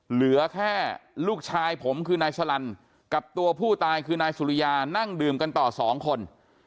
เหลือแค่ลูกชายผมคือนายสลันกับตัวผู้ตายคือนายสุริยานั่งดื่มกันต่อสองคน